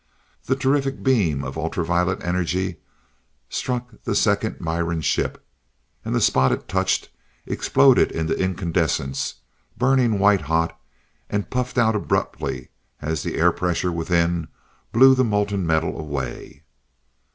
The terrific beam of ultra violet energy struck the second Miran ship, and the spot it touched exploded into incandescence, burned white hot and puffed out abruptly as the air pressure within blew the molten metal away.